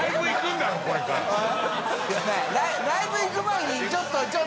ライブ行く前にちょっと。